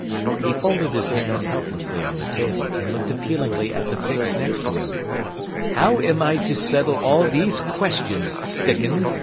He folded his hands helplessly on the table and looked appealingly at the Fix next to him. "How am I to settle all these questions, Sticken?